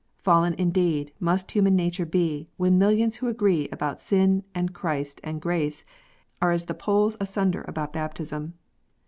Fallen indeed must human nature be, when millions who agree about sin, and Christ, and grace, are as the poles asunder about baptism.